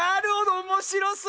おもしろそう！